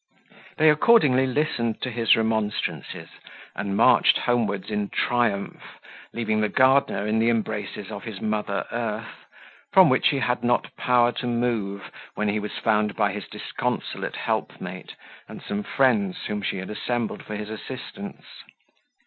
They accordingly listened to his remonstrances, and marched homewards in triumph, leaving the gardener in the embraces of his mother earth, from which he had not power to move when he was found by his disconsolate helpmate and some friends whom she had assembled for his assistance.